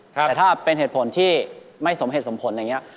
แต่ถ้าเป็นเหตุผลที่ไม่สมเหตุสมผลอะไรอย่างนี้